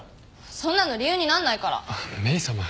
そんなの理由になんないから。メイさま。